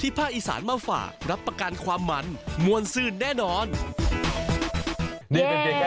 นี่เป็นเพียงแค่ส่วนหนึ่งแล้วนะนะ